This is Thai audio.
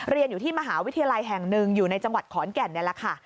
เรียนอยู่ที่มหาวิทยาลัยแห่งหนึ่งอยู่ในจังหวัดขอนแก่นนี่แหละค่ะ